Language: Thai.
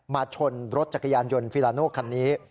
ชนรถจักรยานยนต์ฟิลาโน่คันนี้